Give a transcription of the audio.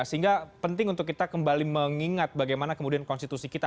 sehingga penting untuk kita kembali mengingat bagaimana kemudian konstitusi kita